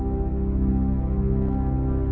aku mau lihat